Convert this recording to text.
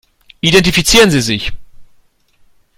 Identifizieren Sie sich.